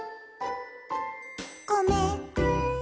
「ごめんね」